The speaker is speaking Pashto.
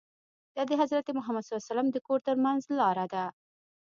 دا د حضرت محمد ص د کور ترمنځ لاره ده.